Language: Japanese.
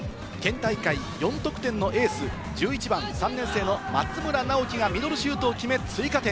県大会４得点のエース、１１番、３年生・松村尚樹がミドルシュートを決め、追加点。